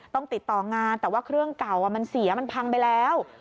ต้องติดต่องานแต่ว่าเครื่องเก่ามันเสียมันพังไปแล้ว